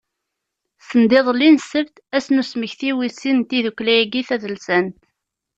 Sendiḍelli n ssebt, ass n usmekti wis sin n tiddukkla-agi tadelsant.